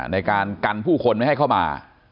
ในการกันผู้คนไม่ให้เข้ามา